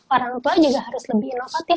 orang tua juga harus lebih inovatif